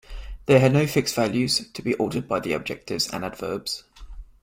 They had no fixed values, to be altered by adjectives and adverbs.